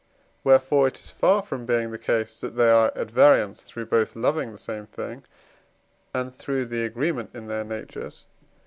Wherefore it is far from being the case, that they are at variance through both loving the same thing, and through the agreement in their natures.